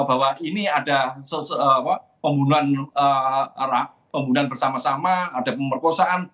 bahwa ini ada pembunuhan bersama sama ada pemerkosaan